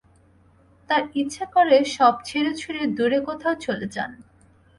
তাঁর ইচ্ছা করে সব ছেড়েছুড়ে দূরে কোথাও চলে যান।